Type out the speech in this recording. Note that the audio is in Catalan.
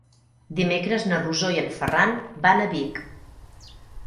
Dimecres na Rosó i en Ferran van a Vic.